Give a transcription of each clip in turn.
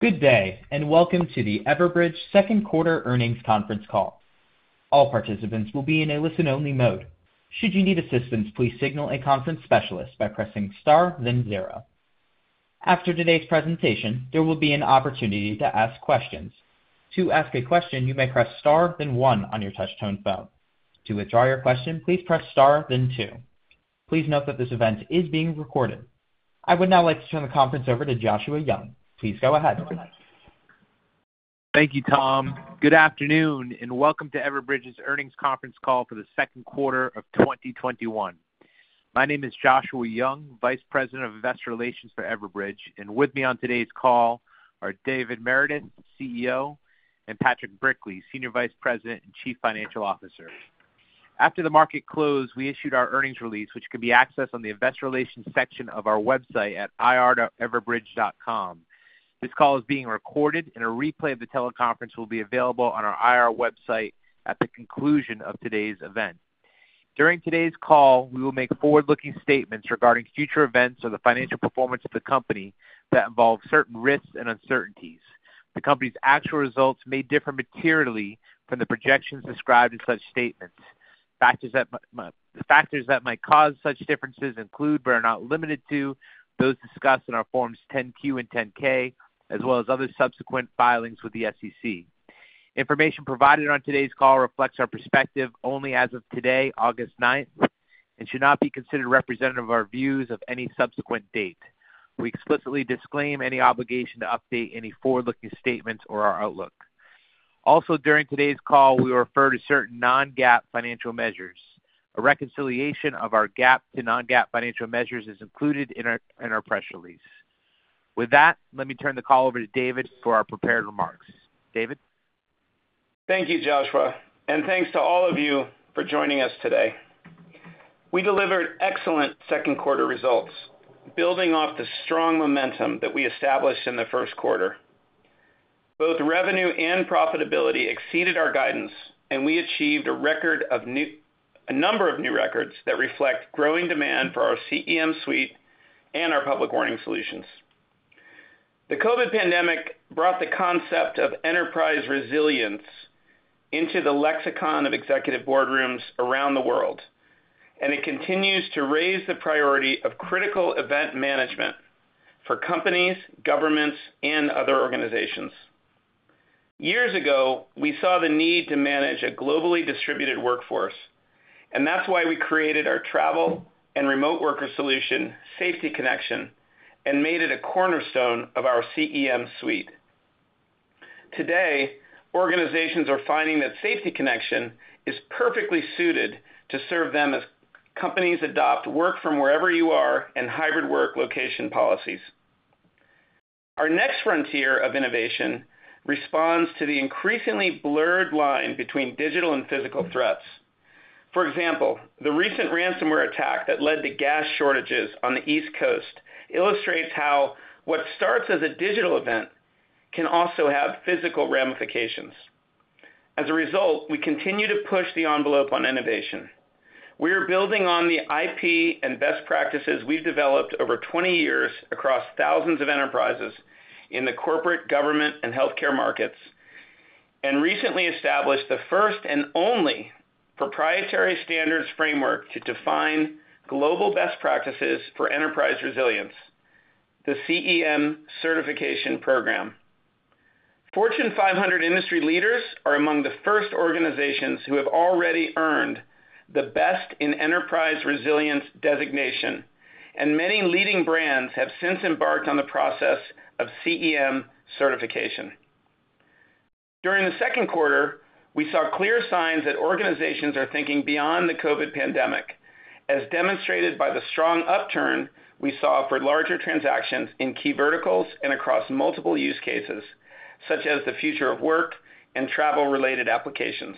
Good day, and welcome to the Everbridge second quarter earnings conference call. I would now like to turn the conference over to Joshua Young. Please go ahead. Thank you, Tom. Good afternoon, and welcome to Everbridge's earnings conference call for the second quarter of 2021. My name is Joshua Young, Vice President of Investor Relations for Everbridge, and with me on today's call are David Meredith, CEO, and Patrick Brickley, Senior Vice President and Chief Financial Officer. After the market closed, we issued our earnings release, which could be accessed on the investor relations section of our website at ir.everbridge.com. This call is being recorded, and a replay of the teleconference will be available on our IR website at the conclusion of today's event. During today's call, we will make forward-looking statements regarding future events or the financial performance of the company that involve certain risks and uncertainties. The company's actual results may differ materially from the projections described in such statements. The factors that might cause such differences include, but are not limited to, those discussed in our forms 10-Q and 10-K, as well as other subsequent filings with the SEC. Information provided on today's call reflects our perspective only as of today, August ninth, and should not be considered representative of our views of any subsequent date. We explicitly disclaim any obligation to update any forward-looking statements or our outlook. Also, during today's call, we refer to certain non-GAAP financial measures. A reconciliation of our GAAP to non-GAAP financial measures is included in our press release. With that, let me turn the call over to David for our prepared remarks. David? Thank you, Joshua, and thanks to all of you for joining us today. We delivered excellent second quarter results, building off the strong momentum that we established in the first quarter. Both revenue and profitability exceeded our guidance, and we achieved a number of new records that reflect growing demand for our CEM suite and our public warning solutions. The COVID pandemic brought the concept of enterprise resilience into the lexicon of executive boardrooms around the world, and it continues to raise the priority of Critical Event Management for companies, governments, and other organizations. Years ago, we saw the need to manage a globally distributed workforce, and that's why we created our travel and remote worker solution, Safety Connection, and made it a cornerstone of our CEM suite. Today, organizations are finding that Safety Connection is perfectly suited to serve them as companies adopt work from wherever you are and hybrid work location policies. Our next frontier of innovation responds to the increasingly blurred line between digital and physical threats. The recent ransomware attack that led to gas shortages on the East Coast illustrates how what starts as a digital event can also have physical ramifications. We continue to push the envelope on innovation. We are building on the IP and best practices we've developed over 20 years across thousands of enterprises in the corporate, government, and healthcare markets, and recently established the first and only proprietary standards framework to define global best practices for enterprise resilience, the CEM Certification Program. Fortune 500 industry leaders are among the first organizations who have already earned the Best in Enterprise Resilience designation, and many leading brands have since embarked on the process of CEM certification. During the second quarter, we saw clear signs that organizations are thinking beyond the COVID pandemic, as demonstrated by the strong upturn we saw for larger transactions in key verticals and across multiple use cases, such as the future of work and travel-related applications.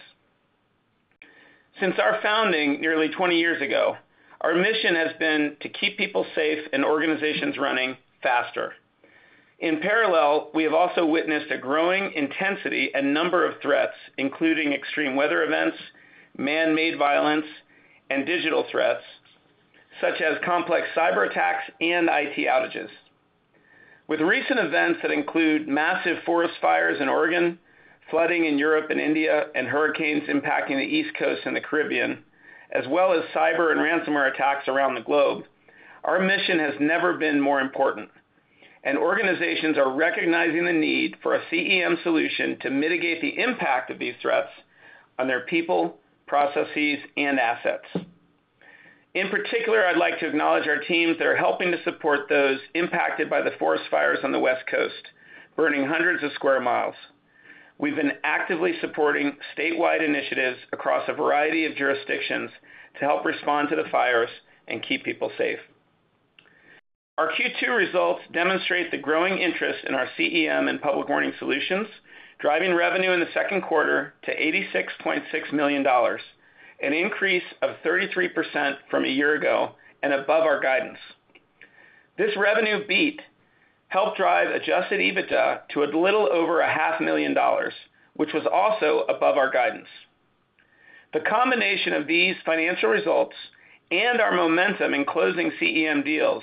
Since our founding nearly 20 years ago, our mission has been to keep people safe and organizations running faster. In parallel, we have also witnessed a growing intensity and number of threats, including extreme weather events, man-made violence, and digital threats, such as complex cyberattacks and IT outages. With recent events that include massive forest fires in Oregon, flooding in Europe and India, and hurricanes impacting the East Coast and the Caribbean, as well as cyber and ransomware attacks around the globe, our mission has never been more important. Organizations are recognizing the need for a CEM solution to mitigate the impact of these threats on their people, processes, and assets. In particular, I'd like to acknowledge our teams that are helping to support those impacted by the forest fires on the West Coast, burning hundreds of square miles. We've been actively supporting statewide initiatives across a variety of jurisdictions to help respond to the fires and keep people safe. Our Q2 results demonstrate the growing interest in our CEM and public warning solutions, driving revenue in the second quarter to $86.6 million, an increase of 33% from a year ago and above our guidance. This revenue beat helped drive adjusted EBITDA to a little over a half million dollars, which was also above our guidance. The combination of these financial results and our momentum in closing CEM deals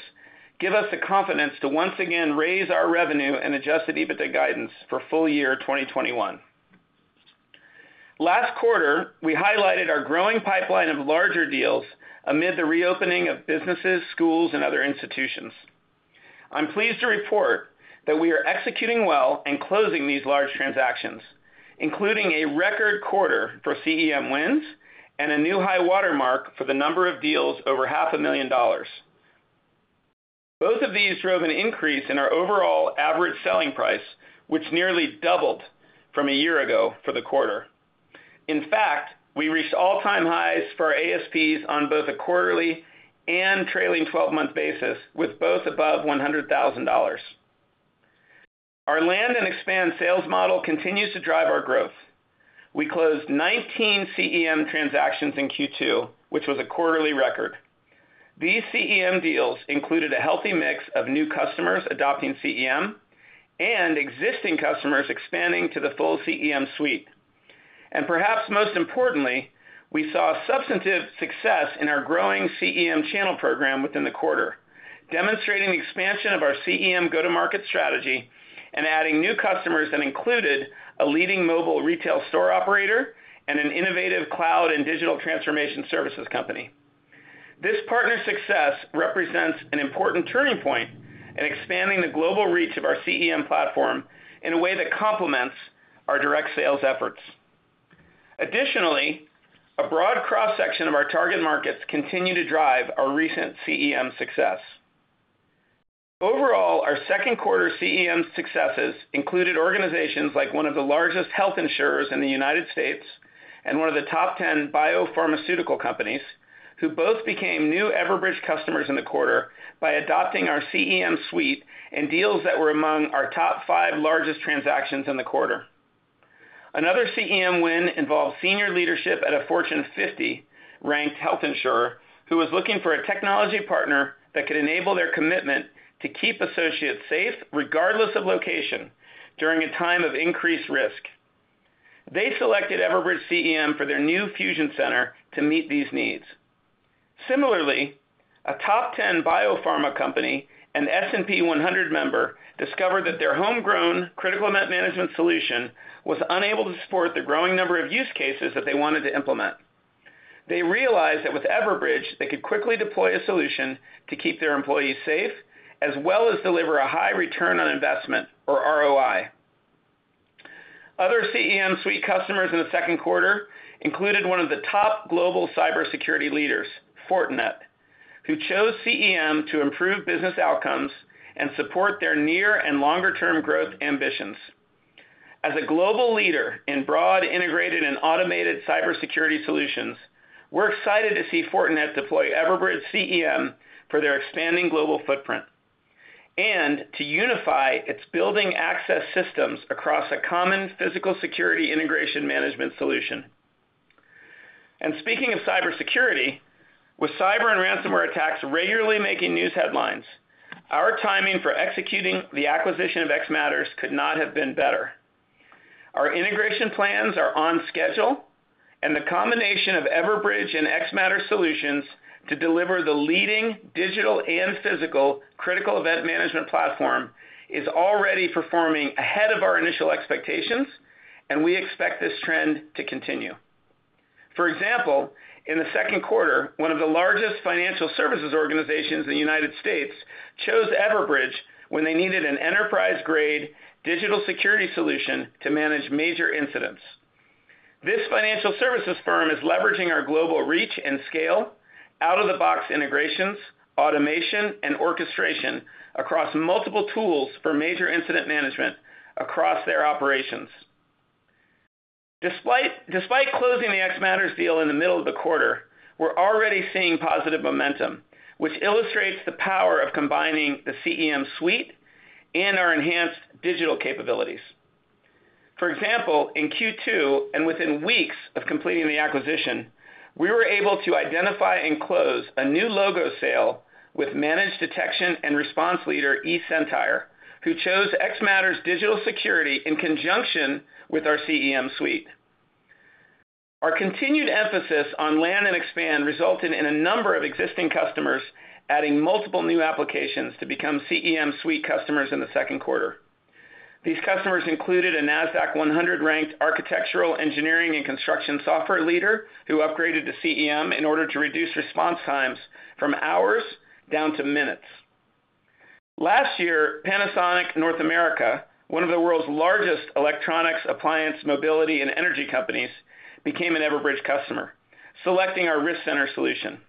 give us the confidence to once again raise our revenue and adjusted EBITDA guidance for full year 2021. Last quarter, we highlighted our growing pipeline of larger deals amid the reopening of businesses, schools, and other institutions. I'm pleased to report that we are executing well and closing these large transactions, including a record quarter for CEM wins and a new high watermark for the number of deals over half a million dollars. Both of these drove an increase in our overall average selling price, which nearly doubled from a year ago for the quarter. In fact, we reached all-time highs for our ASPs on both a quarterly and trailing 12-month basis, with both above $100,000. Our land and expand sales model continues to drive our growth. We closed 19 CEM transactions in Q2, which was a quarterly record. These CEM deals included a healthy mix of new customers adopting CEM and existing customers expanding to the full CEM suite. Perhaps most importantly, we saw substantive success in our growing CEM channel program within the quarter, demonstrating the expansion of our CEM go-to-market strategy and adding new customers that included a leading mobile retail store operator and an innovative cloud and digital transformation services company. This partner success represents an important turning point in expanding the global reach of our CEM platform in a way that complements our direct sales efforts. Additionally, a broad cross-section of our target markets continue to drive our recent CEM success. Overall, our second quarter CEM successes included organizations like one of the largest health insurers in the United States and one of the top 10 biopharmaceutical companies, who both became new Everbridge customers in the quarter by adopting our CEM suite in deals that were among our top five largest transactions in the quarter. Another CEM win involved senior leadership at a Fortune 50 ranked health insurer who was looking for a technology partner that could enable their commitment to keep associates safe, regardless of location, during a time of increased risk. They selected Everbridge CEM for their new fusion center to meet these needs. Similarly, a top 10 biopharma company and S&P 100 member discovered that their homegrown critical event management solution was unable to support the growing number of use cases that they wanted to implement. They realized that with Everbridge, they could quickly deploy a solution to keep their employees safe, as well as deliver a high return on investment or ROI. Other CEM suite customers in the second quarter included one of the top global cybersecurity leaders, Fortinet, who chose CEM to improve business outcomes and support their near and longer-term growth ambitions. As a global leader in broad, integrated, and automated cybersecurity solutions, we're excited to see Fortinet deploy Everbridge CEM for their expanding global footprint and to unify its building access systems across a common physical security integration management solution. Speaking of cybersecurity, with cyber and ransomware attacks regularly making news headlines, our timing for executing the acquisition of xMatters could not have been better. Our integration plans are on schedule, and the combination of Everbridge and xMatters solutions to deliver the leading digital and physical critical event management platform is already performing ahead of our initial expectations, and we expect this trend to continue. For example, in the second quarter, one of the largest financial services organizations in the U.S. chose Everbridge when they needed an enterprise-grade Digital Security solution to manage major incidents. This financial services firm is leveraging our global reach and scale, out-of-the-box integrations, automation, and orchestration across multiple tools for major incident management across their operations. Despite closing the xMatters deal in the middle of the quarter, we're already seeing positive momentum, which illustrates the power of combining the CEM suite and our enhanced digital capabilities. For example, in Q2, within weeks of completing the acquisition, we were able to identify and close a new logo sale with managed detection and response leader, eSentire, who chose xMatters Digital Security in conjunction with our CEM suite. Our continued emphasis on land and expand resulted in a number of existing customers adding multiple new applications to become CEM suite customers in the second quarter. These customers included a Nasdaq 100 ranked architectural engineering and construction software leader who upgraded to CEM in order to reduce response times from hours down to minutes. Last year, Panasonic North America, one of the world's largest electronics, appliance, mobility, and energy companies, became an Everbridge customer, selecting our Risk Center solution.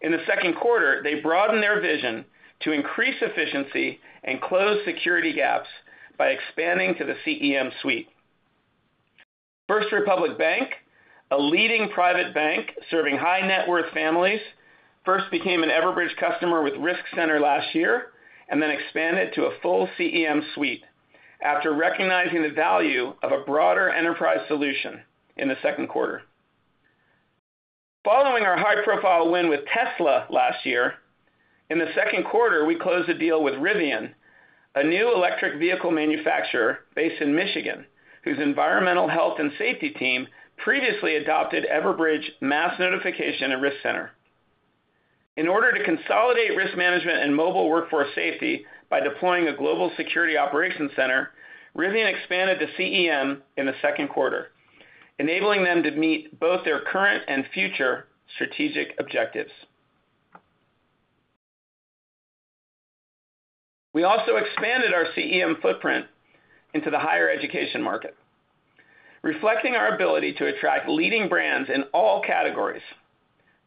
In the second quarter, they broadened their vision to increase efficiency and close security gaps by expanding to the CEM suite. First Republic Bank, a leading private bank serving high net worth families, first became an Everbridge customer with Risk Center last year, and then expanded to a full CEM suite after recognizing the value of a broader enterprise solution in the second quarter. Following our high-profile win with Tesla last year, in the second quarter, we closed a deal with Rivian, a new electric vehicle manufacturer based in Michigan, whose environmental health and safety team previously adopted Everbridge Mass Notification and Risk Center. In order to consolidate risk management and mobile workforce safety by deploying a global security operations center, Rivian expanded to CEM in the second quarter, enabling them to meet both their current and future strategic objectives. We also expanded our CEM footprint into the higher education market, reflecting our ability to attract leading brands in all categories.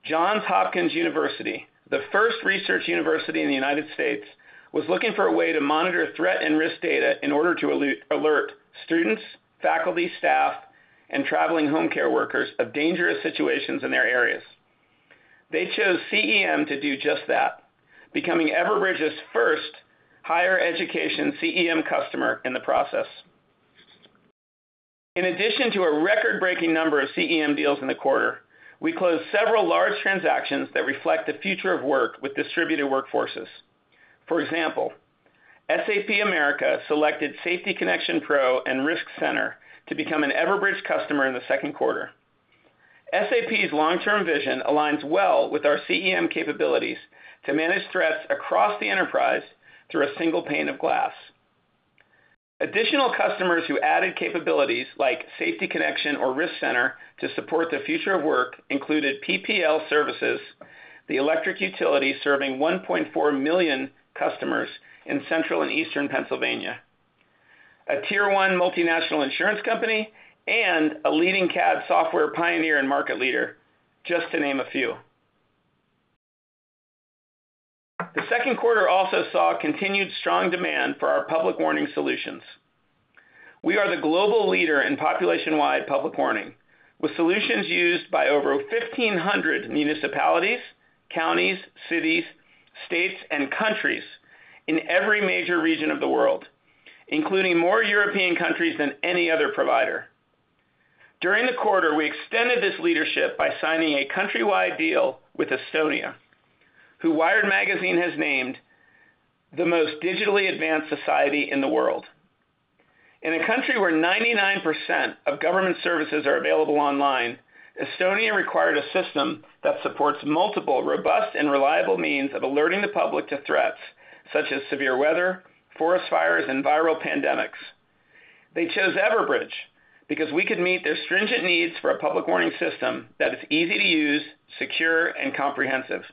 Johns Hopkins University, the first research university in the United States, was looking for a way to monitor threat and risk data in order to alert students, faculty, staff, and traveling home care workers of dangerous situations in their areas. They chose CEM to do just that, becoming Everbridge's first higher education CEM customer in the process. In addition to a record-breaking number of CEM deals in the quarter, we closed several large transactions that reflect the future of work with distributed workforces. For example, SAP America selected Safety Connection Pro and Risk Center to become an Everbridge customer in the second quarter. SAP's long-term vision aligns well with our CEM capabilities to manage threats across the enterprise through a single pane of glass. Additional customers who added capabilities like Safety Connection or Risk Center to support the future of work included PPL Electric Utilities, the electric utility serving 1.4 million customers in Central and Eastern Pennsylvania, a tier one multinational insurance company, and a leading CAD software pioneer and market leader, just to name a few. The second quarter also saw continued strong demand for our public warning solutions. We are the global leader in population-wide public warning, with solutions used by over 1,500 municipalities, counties, cities, states, and countries in every major region of the world, including more European countries than any other provider. During the quarter, we extended this leadership by signing a country-wide deal with Estonia, who WIRED Magazine has named the most digitally advanced society in the world. In a country where 99% of government services are available online, Estonia required a system that supports multiple robust and reliable means of alerting the public to threats such as severe weather, forest fires, and viral pandemics. They chose Everbridge because we could meet their stringent needs for a public warning system that is easy to use, secure, and comprehensive.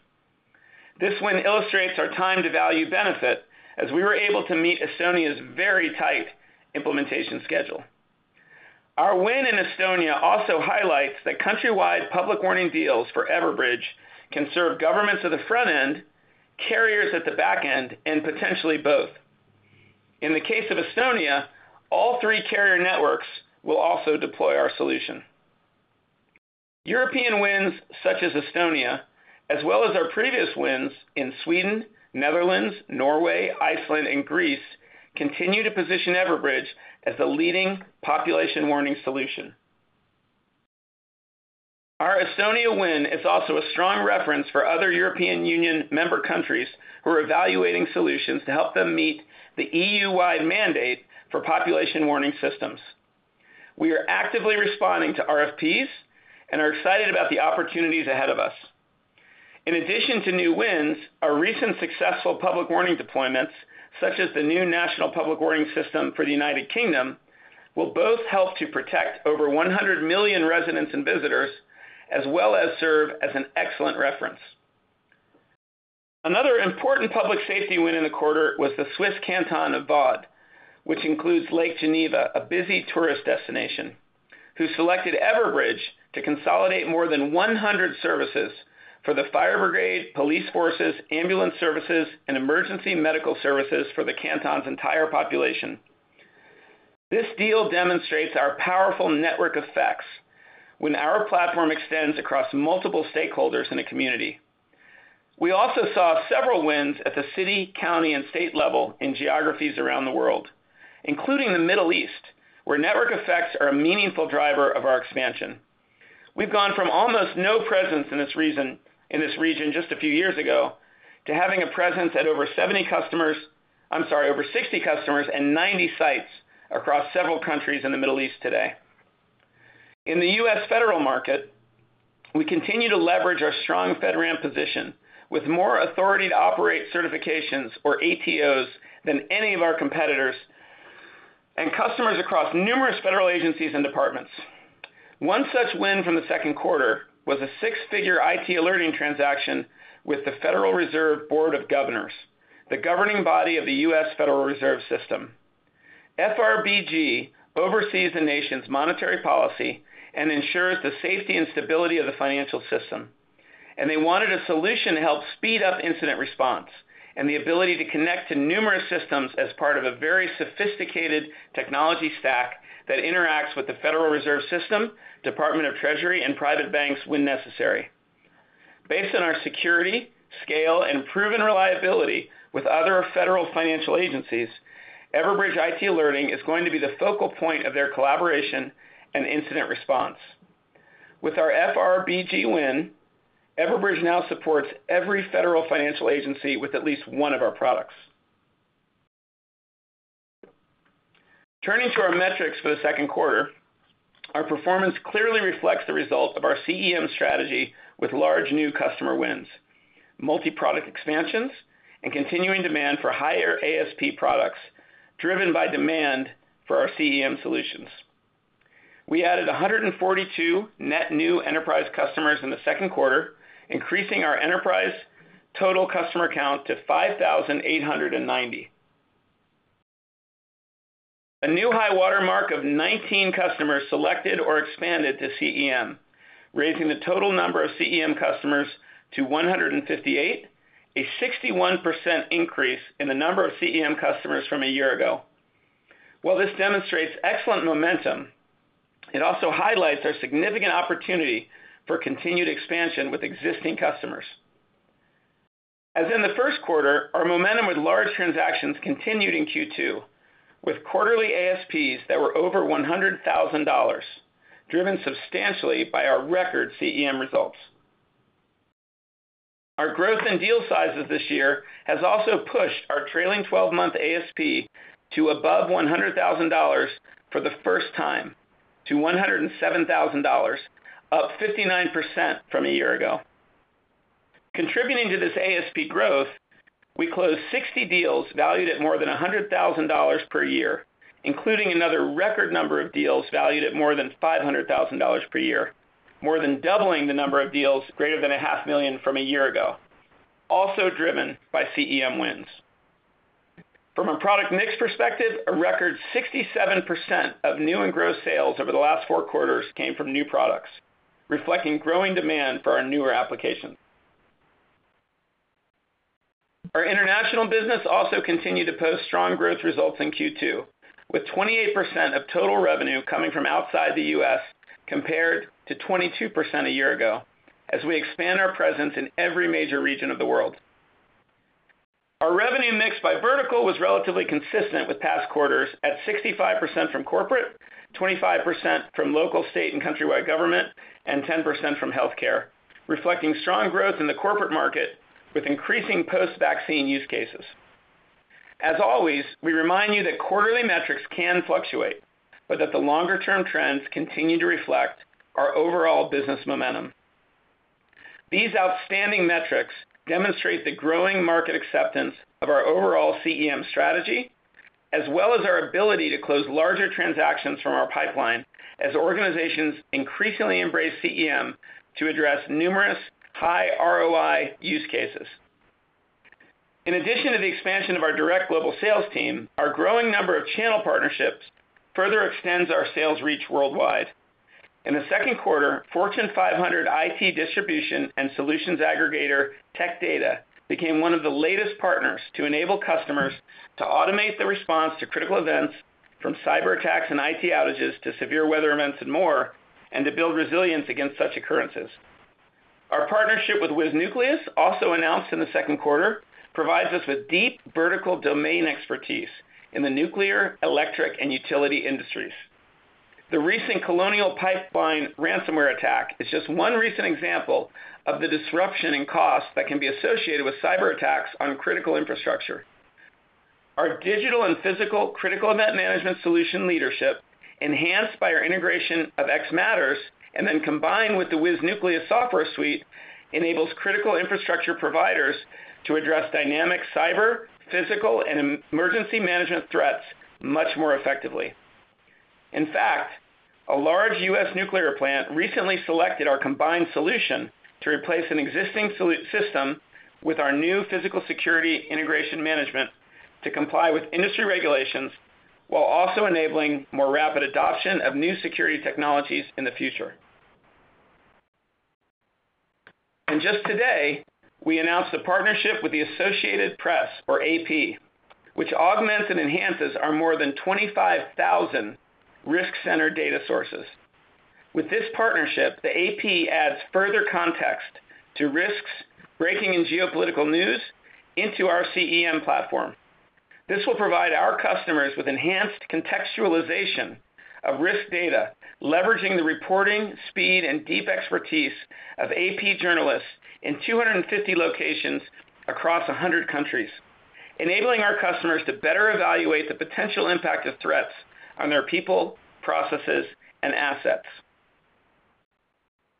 This win illustrates our time-to-value benefit, as we were able to meet Estonia's very tight implementation schedule. Our win in Estonia also highlights that country-wide public warning deals for Everbridge can serve governments at the front end, carriers at the back end, and potentially both. In the case of Estonia, all three carrier networks will also deploy our solution. European wins such as Estonia, as well as our previous wins in Sweden, Netherlands, Norway, Iceland, and Greece, continue to position Everbridge as the leading population warning solution. Our Estonia win is also a strong reference for other European Union member countries who are evaluating solutions to help them meet the EU-wide mandate for population warning systems. We are actively responding to RFPs and are excited about the opportunities ahead of us. In addition to new wins, our recent successful public warning deployments, such as the new national public warning system for the United Kingdom, will both help to protect over 100 million residents and visitors, as well as serve as an excellent reference. Another important public safety win in the quarter was the Swiss canton of Vaud, which includes Lake Geneva, a busy tourist destination, who selected Everbridge to consolidate more than 100 services for the fire brigade, police forces, ambulance services, and emergency medical services for the canton's entire population. This deal demonstrates our powerful network effects when our platform extends across multiple stakeholders in a community. We also saw several wins at the city, county, and state level in geographies around the world, including the Middle East, where network effects are a meaningful driver of our expansion. We've gone from almost no presence in this region just a few years ago, to having a presence at over 70 customers, I'm sorry, over 60 customers and 90 sites across several countries in the Middle East today. In the U.S. federal market, we continue to leverage our strong FedRAMP position with more authority to operate certifications or ATOs than any of our competitors and customers across numerous federal agencies and departments. One such win from the second quarter was a six-figure IT Alerting transaction with the Federal Reserve Board of Governors, the governing body of the U.S. Federal Reserve System. FRBG oversees the nation's monetary policy and ensures the safety and stability of the financial system. They wanted a solution to help speed up incident response and the ability to connect to numerous systems as part of a very sophisticated technology stack that interacts with the Federal Reserve System, Department of the Treasury, and private banks when necessary. Based on our security, scale, and proven reliability with other federal financial agencies, Everbridge IT Alerting is going to be the focal point of their collaboration and incident response. With our FRBG win, Everbridge now supports every federal financial agency with at least one of our products. Turning to our metrics for the second quarter, our performance clearly reflects the result of our CEM strategy with large new customer wins, multi-product expansions, and continuing demand for higher ASP products driven by demand for our CEM solutions. We added 142 net new enterprise customers in the second quarter, increasing our enterprise total customer count to 5,890. A new high water mark of 19 customers selected or expanded to CEM, raising the total number of CEM customers to 158, a 61% increase in the number of CEM customers from a year ago. While this demonstrates excellent momentum, it also highlights our significant opportunity for continued expansion with existing customers. As in the first quarter, our momentum with large transactions continued in Q2, with quarterly ASPs that were over $100,000, driven substantially by our record CEM results. Our growth in deal sizes this year has also pushed our trailing 12-month ASP to above $100,000 for the first time to $107,000, up 59% from a year ago. Contributing to this ASP growth, we closed 60 deals valued at more than $100,000 per year, including another record number of deals valued at more than $500,000 per year, more than doubling the number of deals greater than a half million from a year-ago, also driven by CEM wins. From a product mix perspective, a record 67% of new and gross sales over the last four quarters came from new products, reflecting growing demand for our newer applications. Our international business also continued to post strong growth results in Q2, with 28% of total revenue coming from outside the U.S. compared to 22% a year-ago, as we expand our presence in every major region of the world. Our revenue mix by vertical was relatively consistent with past quarters at 65% from corporate, 25% from local, state, and countrywide government, and 10% from healthcare, reflecting strong growth in the corporate market with increasing post-vaccine use cases. As always, we remind you that quarterly metrics can fluctuate, but that the longer-term trends continue to reflect our overall business momentum. These outstanding metrics demonstrate the growing market acceptance of our overall CEM strategy, as well as our ability to close larger transactions from our pipeline as organizations increasingly embrace CEM to address numerous high ROI use cases. In addition to the expansion of our direct global sales team, our growing number of channel partnerships further extends our sales reach worldwide. In the second quarter, Fortune 500 IT distribution and solutions aggregator Tech Data became one of the latest partners to enable customers to automate the response to critical events from cyberattacks and IT outages to severe weather events and more, and to build resilience against such occurrences. Our partnership with WizNucleus, also announced in the second quarter, provides us with deep vertical domain expertise in the nuclear, electric, and utility industries. The recent Colonial Pipeline ransomware attack is just one recent example of the disruption in cost that can be associated with cyberattacks on critical infrastructure. Our digital and physical critical event management solution leadership, enhanced by our integration of xMatters, and then combined with the WizNucleus software suite, enables critical infrastructure providers to address dynamic cyber, physical, and emergency management threats much more effectively. In fact, a large U.S. nuclear plant recently selected our combined solution to replace an existing system with our new physical security integration management to comply with industry regulations while also enabling more rapid adoption of new security technologies in the future. Just today, we announced a partnership with the Associated Press, or AP, which augments and enhances our more than 25,000 Risk Centered data sources. With this partnership, the AP adds further context to risks breaking in geopolitical news into our CEM platform. This will provide our customers with enhanced contextualization of risk data, leveraging the reporting speed and deep expertise of AP journalists in 250 locations across 100 countries, enabling our customers to better evaluate the potential impact of threats on their people, processes, and assets.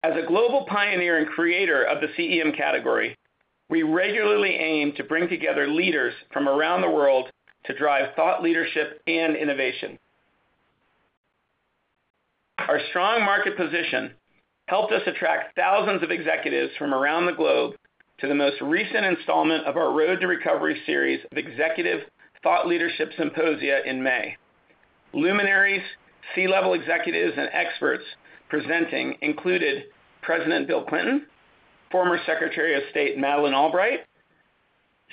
As a global pioneer and creator of the CEM category, we regularly aim to bring together leaders from around the world to drive thought leadership and innovation. Our strong market position helped us attract thousands of executives from around the globe to the most recent installment of our Road to Recovery series of executive thought leadership symposia in May. Luminaries, C-level executives, and experts presenting included President Bill Clinton, former Secretary of State Madeleine Albright,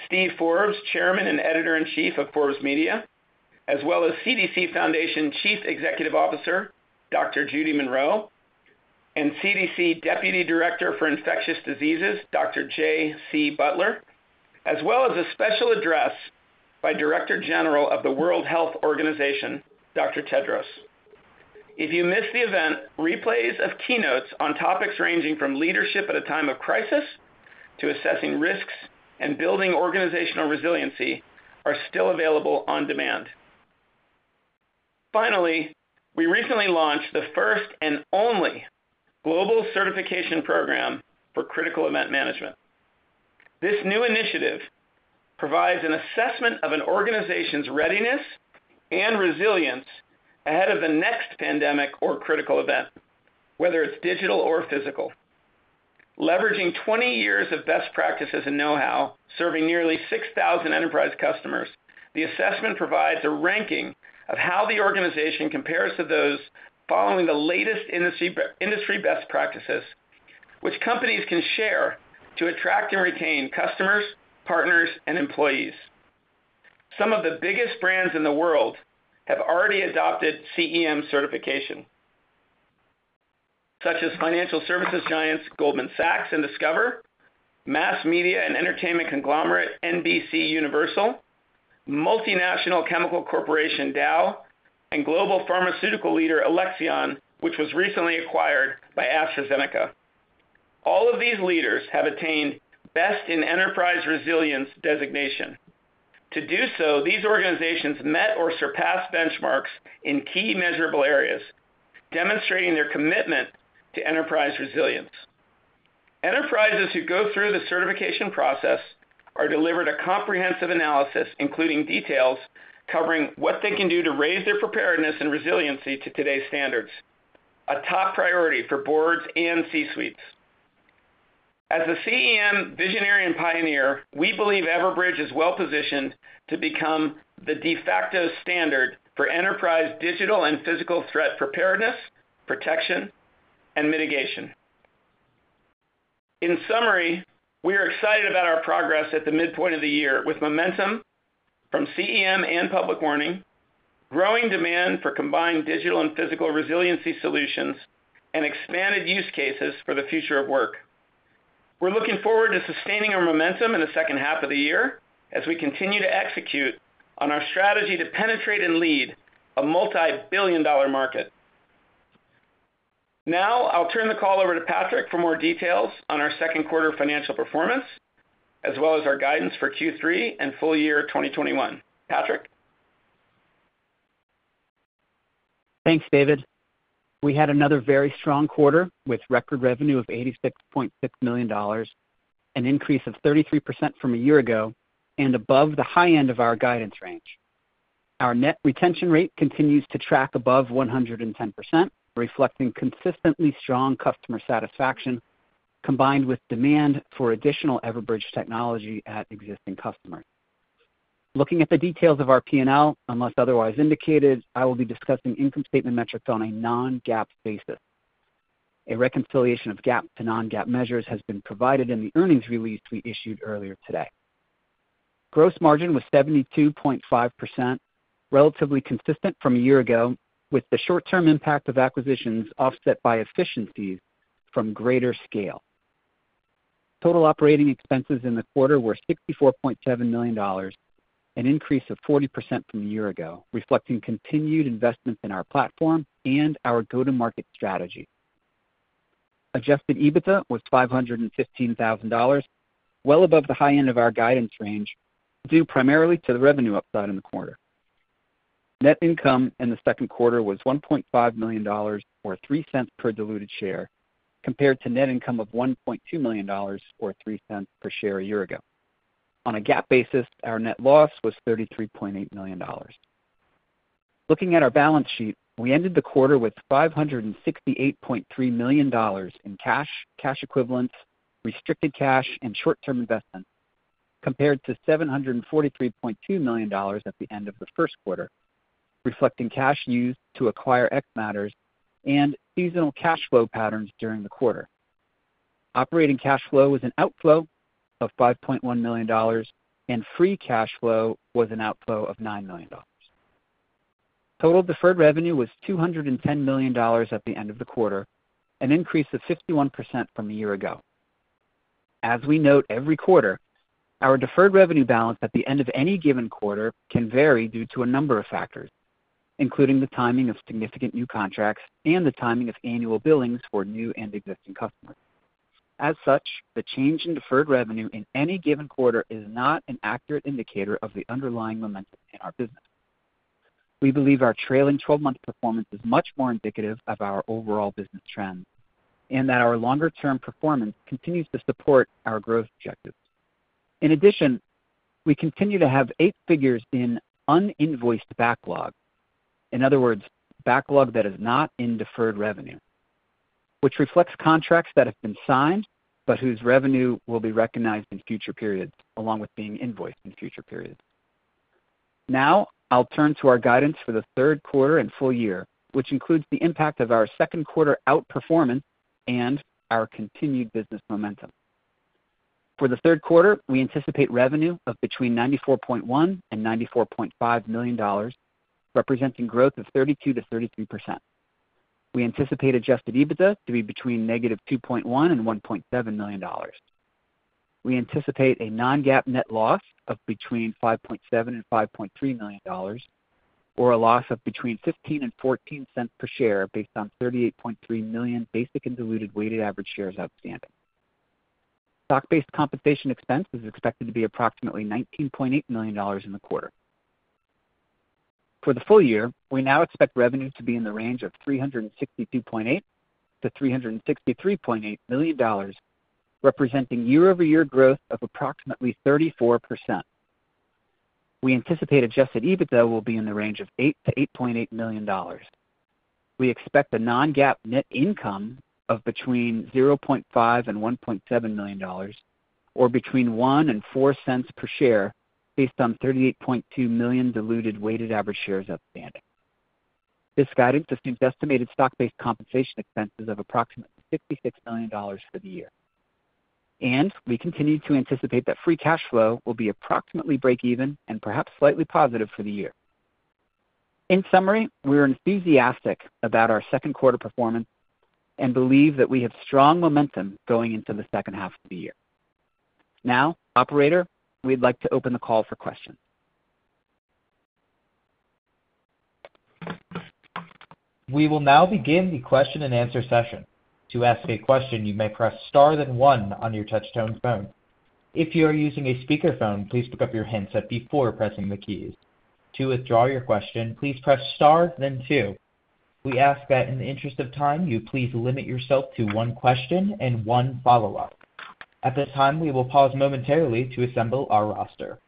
Steve Forbes, Chairman and Editor-in-Chief of Forbes Media, as well as CDC Foundation Chief Executive Officer, Dr. Judy Monroe, and CDC Deputy Director for Infectious Diseases, Dr. Jay C. Butler, as well as a special address by Director General of the World Health Organization, Dr. Tedros. If you missed the event, replays of keynotes on topics ranging from leadership at a time of crisis to assessing risks and building organizational resiliency are still available on demand. Finally, we recently launched the first and only global Certification Program for Critical Event Management. This new initiative provides an assessment of an organization's readiness and resilience ahead of the next pandemic or critical event, whether it's digital or physical. Leveraging 20 years of best practices and knowhow, serving nearly 6,000 enterprise customers, the assessment provides a ranking of how the organization compares to those following the latest industry best practices, which companies can share to attract and retain customers, partners, and employees. Some of the biggest brands in the world have already adopted CEM Certification, such as financial services giants Goldman Sachs and Discover, mass media and entertainment conglomerate NBCUniversal, multinational chemical corporation Dow, and global pharmaceutical leader Alexion, which was recently acquired by AstraZeneca. All of these leaders have attained Best in Enterprise Resilience designation. To do so, these organizations met or surpassed benchmarks in key measurable areas, demonstrating their commitment to enterprise resilience. Enterprises who go through the certification process are delivered a comprehensive analysis, including details covering what they can do to raise their preparedness and resilience to today's standards, a top priority for boards and C-suites. As the CEM visionary and pioneer, we believe Everbridge is well-positioned to become the de facto standard for enterprise digital and physical threat preparedness, protection, and mitigation. In summary, we are excited about our progress at the midpoint of the year, with momentum from CEM and public warning, growing demand for combined digital and physical resilience solutions, and expanded use cases for the future of work. We're looking forward to sustaining our momentum in the second half of the year as we continue to execute on our strategy to penetrate and lead a multi-billion dollar market. Now, I'll turn the call over to Patrick for more details on our second quarter financial performance, as well as our guidance for Q3 and full year 2021. Patrick? Thanks, David. We had another very strong quarter with record revenue of $86.6 million, an increase of 33% from a year ago, and above the high end of our guidance range. Our net retention rate continues to track above 110%, reflecting consistently strong customer satisfaction, combined with demand for additional Everbridge technology at existing customers. Looking at the details of our P&L, unless otherwise indicated, I will be discussing income statement metrics on a non-GAAP basis. A reconciliation of GAAP to non-GAAP measures has been provided in the earnings release we issued earlier today. Gross margin was 72.5%, relatively consistent from a year ago, with the short-term impact of acquisitions offset by efficiencies from greater scale. Total operating expenses in the quarter were $64.7 million, an increase of 40% from a year ago, reflecting continued investments in our platform and our go-to-market strategy. Adjusted EBITDA was $515,000, well above the high end of our guidance range, due primarily to the revenue upside in the quarter. Net income in the second quarter was $1.5 million, or $0.03 per diluted share, compared to net income of $1.2 million, or $0.03 per share a year ago. On a GAAP basis, our net loss was $33.8 million. Looking at our balance sheet, we ended the quarter with $568.3 million in cash equivalents, restricted cash, and short-term investments, compared to $743.2 million at the end of the first quarter, reflecting cash used to acquire xMatters and seasonal cash flow patterns during the quarter. Operating cash flow was an outflow of $5.1 million, and free cash flow was an outflow of $9 million. Total deferred revenue was $210 million at the end of the quarter, an increase of 51% from a year ago. As we note every quarter, our deferred revenue balance at the end of any given quarter can vary due to a number of factors, including the timing of significant new contracts and the timing of annual billings for new and existing customers. As such, the change in deferred revenue in any given quarter is not an accurate indicator of the underlying momentum in our business. We believe our trailing 12-month performance is much more indicative of our overall business trends, and that our longer-term performance continues to support our growth objectives. In addition, we continue to have eight figures in un-invoiced backlog. In other words, backlog that is not in deferred revenue, which reflects contracts that have been signed, but whose revenue will be recognized in future periods, along with being invoiced in future periods. I'll turn to our guidance for the third quarter and full year, which includes the impact of our second quarter out-performance and our continued business momentum. For the third quarter, we anticipate revenue of between $94.1 million and $94.5 million, representing growth of 32%-33%. We anticipate adjusted EBITDA to be between -$2.1 million and $1.7 million. We anticipate a non-GAAP net loss of between $5.7 million and $5.3 million, or a loss of between $0.15 and $0.14 per share based on 38.3 million basic and diluted weighted average shares outstanding. Stock-based compensation expense is expected to be approximately $19.8 million in the quarter. For the full year, we now expect revenues to be in the range of $362.8 million $363.8 million, representing year-over-year growth of approximately 34%. We anticipate adjusted EBITDA will be in the range of $8 million-$8.8 million. We expect a non-GAAP net income of between $0.5 million and $1.7 million, or between $0.01 and $0.04 per share, based on 38.2 million diluted weighted average shares outstanding. This guidance assumes estimated stock-based compensation expenses of approximately $56 million for the year. We continue to anticipate that free cash flow will be approximately break even and perhaps slightly positive for the year. In summary, we're enthusiastic about our second quarter performance and believe that we have strong momentum going into the second half of the year. Operator, we'd like to open the call for questions. We will now begin the question and answer session. To ask a question, you may press star then one on your touchtone phone. If you are using a speakerphone, please pick up your handset before pressing the keys. To withdraw your question, please press star then two. We ask that in the interest of time, you please limit yourself to one question and one follow-up. At this time, we will pause momentarily to assemble our roster.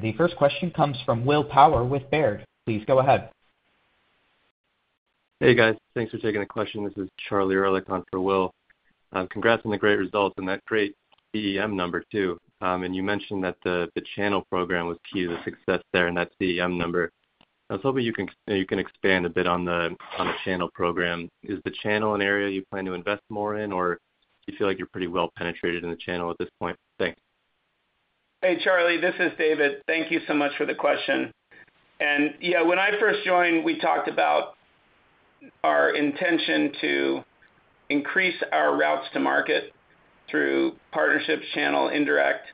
The first question comes from Will Power with Baird. Please go ahead. Hey, guys. Thanks for taking the question. This is Charlie Erlikh on for Will. Congrats on the great results and that great CEM number too. You mentioned that the channel program was key to the success there in that CEM number. I was hoping you can expand a bit on the channel program. Is the channel an area you plan to invest more in, or do you feel like you're pretty well penetrated in the channel at this point? Thanks. Hey, Charlie. This is David. Thank you so much for the question. Yeah, when I first joined, we talked about our intention to increase our routes to market through partnership channel indirect.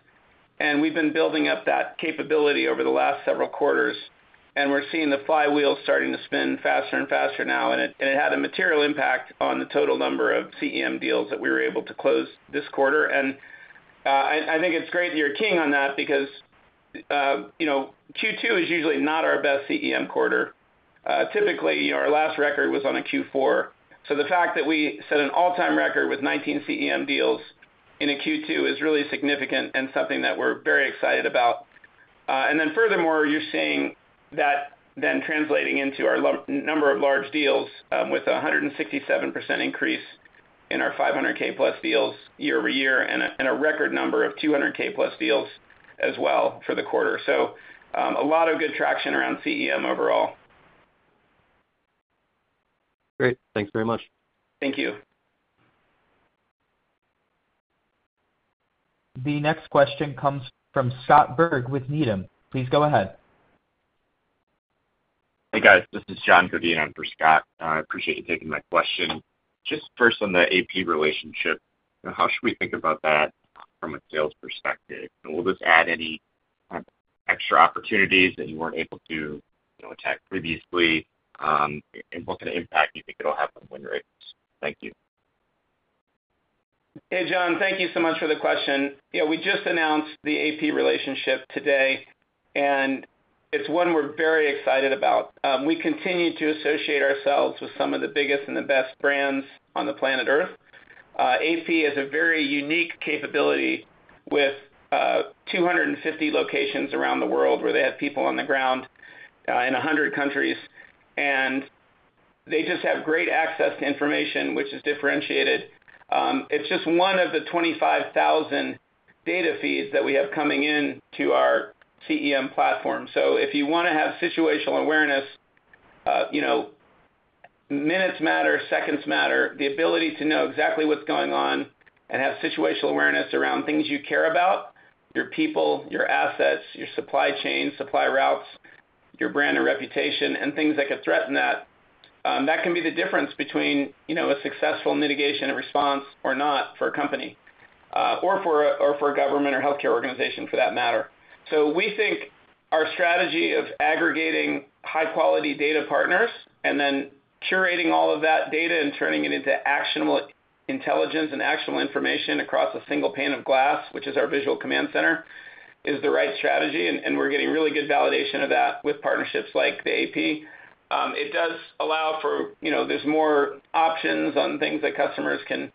We've been building up that capability over the last several quarters. We're seeing the flywheel starting to spin faster and faster now. It had a material impact on the total number of CEM deals that we were able to close this quarter. I think it's great that you're keying on that because Q2 is usually not our best CEM quarter. Typically, our last record was on a Q4. The fact that we set an all-time record with 19 CEM deals in a Q2 is really significant and something that we're very excited about. Furthermore, you're seeing that translating into our number of large deals with 167% increase in our $500,000+ deals year-over-year and a record number of $200,000+ deals as well for the quarter. A lot of good traction around CEM overall. Great. Thanks very much. Thank you. The next question comes from Scott Berg with Needham. Please go ahead. Hey, guys. This is John Todaro for Scott. I appreciate you taking my question. Just first on the AP relationship. How should we think about that from a sales perspective? Will this add any extra opportunities that you weren't able to attack previously? What kind of impact do you think it'll have on. Thank you. Hey, John. Thank you so much for the question. Yeah, we just announced the AP relationship today, and it's one we're very excited about. We continue to associate ourselves with some of the biggest and the best brands on the planet Earth. AP is a very unique capability with 250 locations around the world where they have people on the ground in 100 countries. They just have great access to information, which is differentiated. It's just one of the 25,000 data feeds that we have coming in to our CEM platform. If you want to have situational awareness, minutes matter, seconds matter. The ability to know exactly what's going on and have situational awareness around things you care about, your people, your assets, your supply chain, supply routes, your brand and reputation, and things that could threaten that can be the difference between a successful mitigation and response or not for a company, or for a government or healthcare organization for that matter. We think our strategy of aggregating high-quality data partners and then curating all of that data and turning it into actionable intelligence and actionable information across a single pane of glass, which is our Visual Command Center, is the right strategy, and we're getting really good validation of that with partnerships like the AP. It does allow, there's more options on things that customers can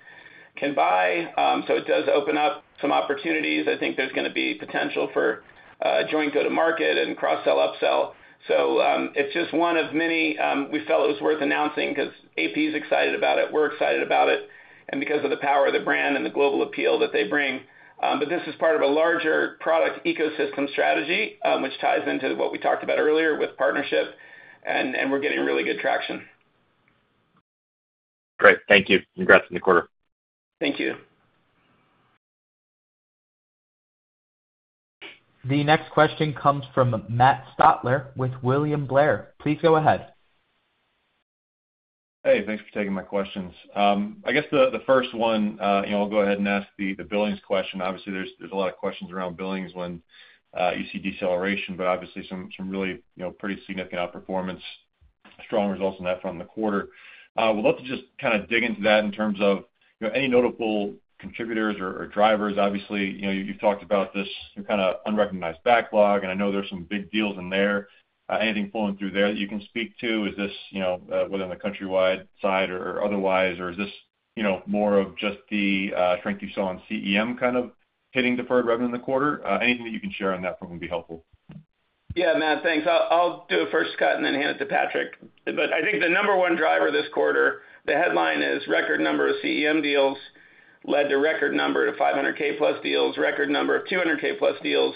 buy. It does open up some opportunities. I think there's going to be potential for A joint go-to-market and cross-sell, upsell. It's just one of many. We felt it was worth announcing because AP is excited about it, we're excited about it, and because of the power of the brand and the global appeal that they bring. This is part of a larger product ecosystem strategy, which ties into what we talked about earlier with partnership, and we're getting really good traction. Great. Thank you. Congrats on the quarter. Thank you. The next question comes from Matt Stotler with William Blair. Please go ahead. Hey, thanks for taking my questions. I guess the first one, I'll go ahead and ask the billings question. There's a lot of questions around billings when you see deceleration, obviously some really pretty significant outperformance, strong results on that front in the quarter. Would love to just kind of dig into that in terms of any notable contributors or drivers. You've talked about this kind of unrecognized backlog, I know there's some big deals in there. Anything pulling through there that you can speak to? Is this within the Countrywide side or otherwise, or is this more of just the strength you saw on CEM kind of hitting deferred revenue in the quarter? Anything that you can share on that front would be helpful. Yeah, Matt, thanks. I'll do a first cut and then hand it to Patrick. I think the number one driver this quarter, the headline is record number of CEM deals led to record number of 500,000+ deals, record number of 200,000+ deals,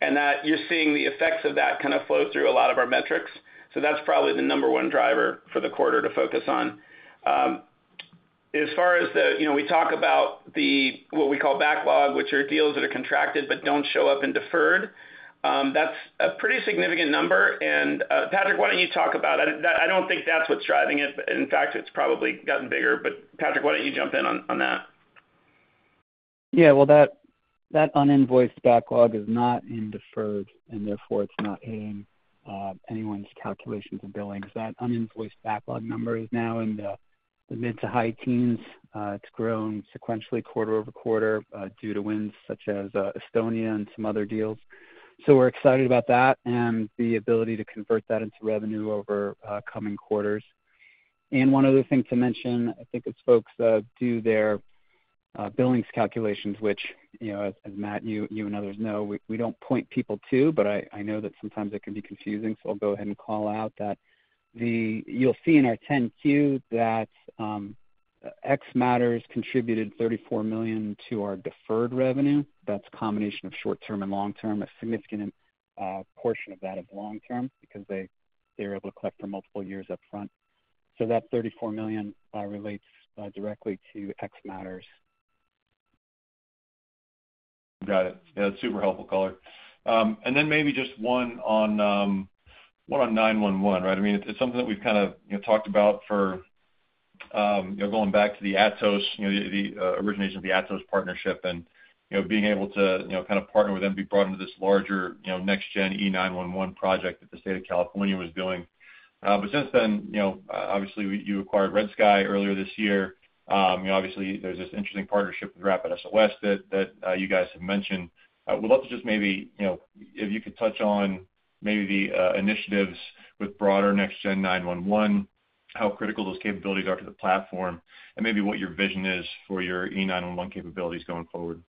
and that you're seeing the effects of that kind of flow through a lot of our metrics. That's probably the number one driver for the quarter to focus on. As far as we talk about what we call backlog, which are deals that are contracted but don't show up in deferred. That's a pretty significant number. Patrick, why don't you talk about it? I don't think that's what's driving it. In fact, it's probably gotten bigger. Patrick, why don't you jump in on that? That uninvoiced backlog is not in deferred, and therefore it's not hitting anyone's calculations of billings. That uninvoiced backlog number is now in the mid to high teens. It's grown sequentially quarter-over-quarter due to wins such as Estonia and some other deals. One other thing to mention, I think as folks do their billings calculations, which, as Matt, you and others know, we don't point people to, but I know that sometimes it can be confusing, so I'll go ahead and call out that you'll see in our 10-Q that xMatters contributed $34 million to our deferred revenue. That's a combination of short-term and long-term, a significant portion of that of long-term, because they were able to collect for multiple years up front. That $34 million relates directly to xMatters. Got it. Yeah, that's super helpful color. Maybe just one on 911, right? It's something that we've kind of talked about for going back to the Atos, the origination of the Atos partnership and being able to kind of partner with them, be brought into this larger Next-Gen E911 project that the State of California was doing. Since then, obviously you acquired RedSky earlier this year. Obviously, there's this interesting partnership with RapidSOS that you guys have mentioned. Would love to just maybe, if you could touch on maybe the initiatives with broader Next-Gen 911, how critical those capabilities are to the platform, and maybe what your vision is for your E911 capabilities going forward.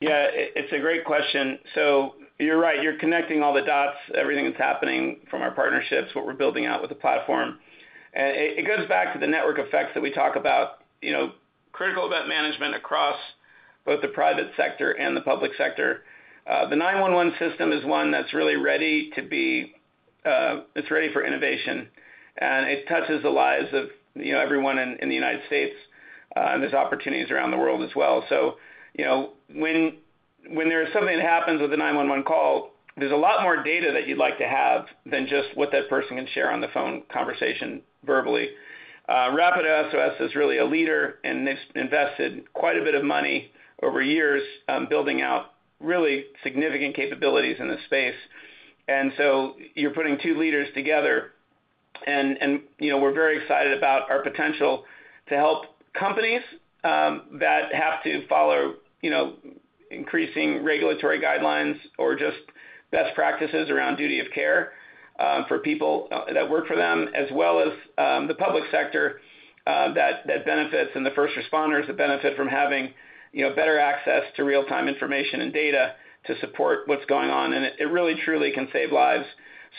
Yeah. It's a great question. You're right. You're connecting all the dots, everything that's happening from our partnerships, what we're building out with the platform. It goes back to the network effects that we talk about. Critical Event Management across both the private sector and the public sector. The 911 system is one that's really ready for innovation, and it touches the lives of everyone in the United States, and there's opportunities around the world as well. When there's something that happens with a 911 call, there's a lot more data that you'd like to have than just what that person can share on the phone conversation verbally. RapidSOS is really a leader, and they've invested quite a bit of money over years building out really significant capabilities in this space. You're putting two leaders together, and we're very excited about our potential to help companies that have to follow increasing regulatory guidelines or just best practices around duty of care for people that work for them, as well as the public sector that benefits and the first responders that benefit from having better access to real-time information and data to support what's going on. It really, truly can save lives.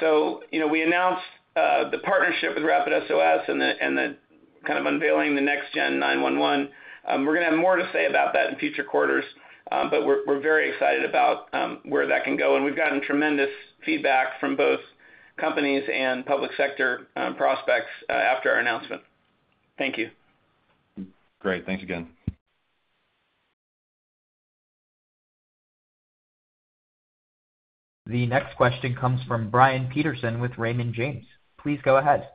We announced the partnership with RapidSOS and the kind of unveiling the next gen 911. We're going to have more to say about that in future quarters. We're very excited about where that can go. We've gotten tremendous feedback from both companies and public sector prospects after our announcement. Thank you. Great. Thanks again. The next question comes from Brian Peterson with Raymond James. Please go ahead.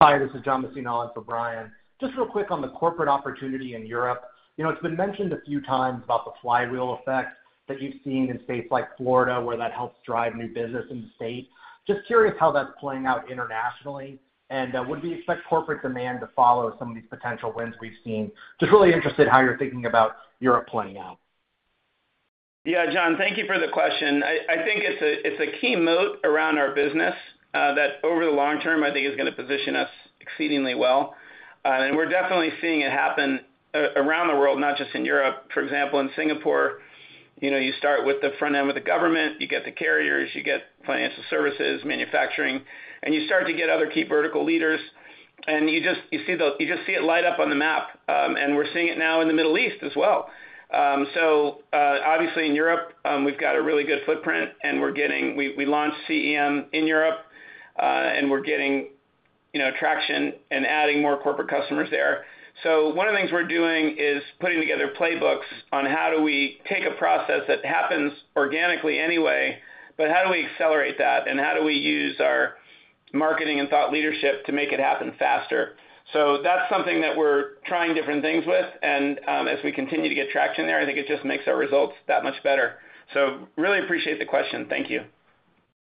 Hi, this is John Messina for Brian. Just real quick on the corporate opportunity in Europe. It's been mentioned a few times about the flywheel effect that you've seen in states like Florida, where that helps drive new business in the state. Just curious how that's playing out internationally, and would we expect corporate demand to follow some of these potential wins we've seen? Just really interested in how you're thinking about Europe playing out. John, thank you for the question. I think it's a key moat around our business that over the long term, I think is going to position us exceedingly well. We're definitely seeing it happen around the world, not just in Europe. For example, in Singapore, you start with the front end with the government, you get the carriers, you get financial services, manufacturing, and you start to get other key vertical leaders, and you just see it light up on the map. We're seeing it now in the Middle East as well. Obviously, in Europe, we've got a really good footprint, and we launched CEM in Europe, and we're getting traction and adding more corporate customers there. One of the things we're doing is putting together playbooks on how do we take a process that happens organically anyway, but how do we accelerate that, and how do we use our marketing and thought leadership to make it happen faster? That's something that we're trying different things with. As we continue to get traction there, I think it just makes our results that much better. Really appreciate the question. Thank you.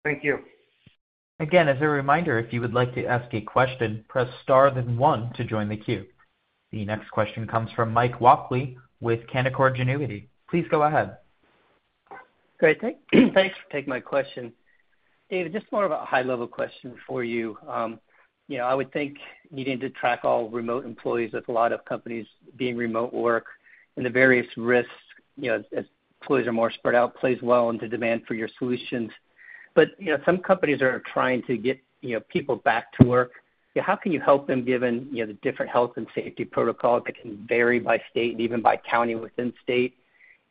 Thank you. Again, as a reminder, if you would like to ask a question, press star, then one to join the queue. The next question comes from Mike Walkley with Canaccord Genuity. Please go ahead. Great. Thanks for taking my question. David, just more of a high-level question for you. I would think needing to track all remote employees with a lot of companies being remote work and the various risks as employees are more spread out plays well into demand for your solutions. Some companies are trying to get people back to work. How can you help them given the different health and safety protocols that can vary by state and even by county within state?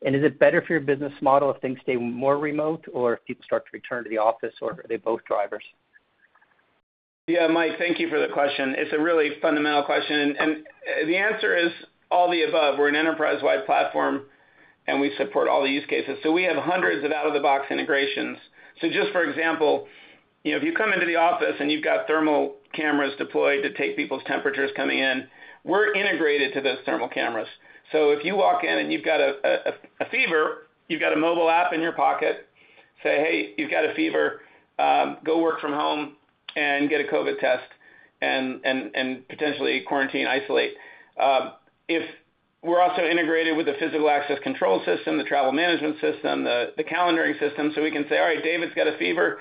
Is it better for your business model if things stay more remote, or if people start to return to the office, or are they both drivers? Yeah, Mike, thank you for the question. It's a really fundamental question. The answer is all the above. We're an enterprise-wide platform. We support all the use cases. We have hundreds of out-of-the-box integrations. Just for example, if you come into the office and you've got thermal cameras deployed to take people's temperatures coming in, we're integrated to those thermal cameras. If you walk in and you've got a fever, you've got a mobile app in your pocket, say, "Hey, you've got a fever. Go work from home and get a COVID test, and potentially quarantine, isolate." We're also integrated with the physical access control system, the travel management system, the calendaring system. We can say, "All right, David's got a fever.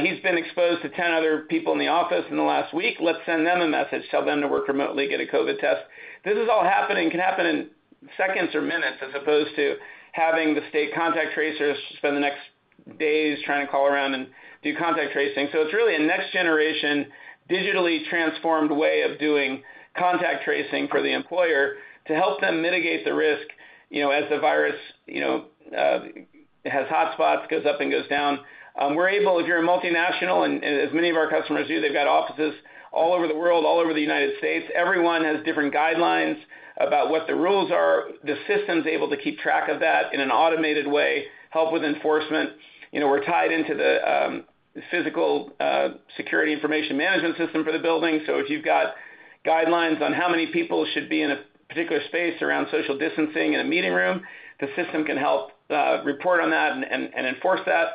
He's been exposed to 10 other people in the office in the last week. Let's send them a message, tell them to work remotely, get a COVID test." This is all happening, can happen in seconds or minutes, as opposed to having the state contact tracers spend the next days trying to call around and do contact tracing. It's really a next generation, digitally transformed way of doing contact tracing for the employer to help them mitigate the risk as the virus has hotspots, goes up and goes down. We're able, if you're a multinational, and as many of our customers do, they've got offices all over the world, all over the United States. Everyone has different guidelines about what the rules are. The system's able to keep track of that in an automated way, help with enforcement. We're tied into the physical security integration management system for the building. If you've got guidelines on how many people should be in a particular space around social distancing in a meeting room, the system can help report on that and enforce that.